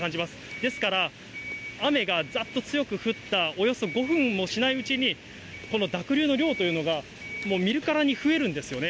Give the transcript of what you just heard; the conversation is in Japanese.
ですから、雨がざっと強く降ったおよそ５分もしないうちに、この濁流の量というのが、もう見るからに増えるんですよね。